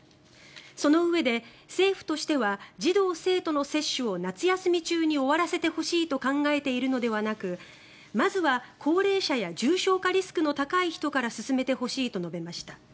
そのうえで政府としては児童・生徒の接種を夏休み中に終わらせてほしいと考えているのではなくまずは高齢者や重症化リスクの高い人から進めてほしいと述べました。